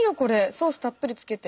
ソースたっぷりつけて。